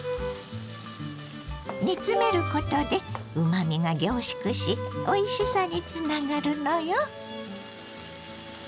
煮詰めることでうまみが凝縮しおいしさにつながるのよ。